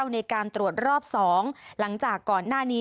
ในการตรวจรอบ๒หลังจากก่อนหน้านี้